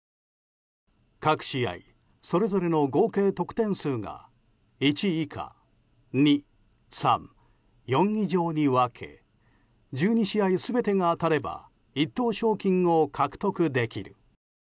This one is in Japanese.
各試合、それぞれの合計得点数が１以下、２、３、４以上に分け１２試合全てが当たれば１等賞金を獲得できる。